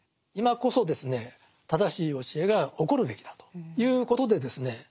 今こそですね正しい教えが起こるべきだということでですね